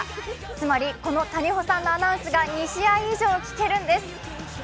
つまりこの谷保さんのアナウンスが２試合以上聞けるんです。